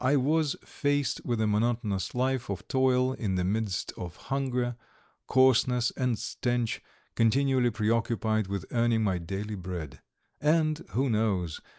I was faced with a monotonous life of toil in the midst of hunger, coarseness, and stench, continually preoccupied with earning my daily bread. And who knows?